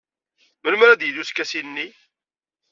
Melmi ara d-yili uskasi-nni?